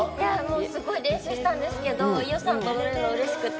すごい練習したんですけど、伊代さんと踊れるのがうれしくて。